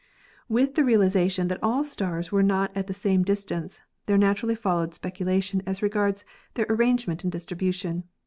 With the realization that all stars were not at the same distance, there naturally followed speculation as regards their arrangement and distribution.